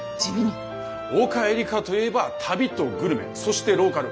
丘えりかといえば旅とグルメそしてローカル。